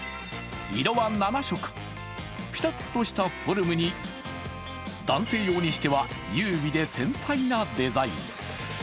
色は７色、ピタッとしたフォルムに男性用にしては優美で繊細なデザイン。